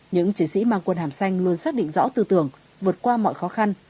những chiến sĩ mang quân hàm xanh luôn xác định rõ tư tưởng vượt qua mọi khó khăn